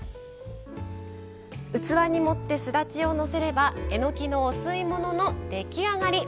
器に盛って、すだちをのせればえのきのお吸い物の出来上がり。